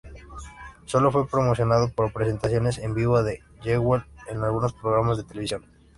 Solo fue promocionado por presentaciones en vivo de Jewel en algunos programas de televisión.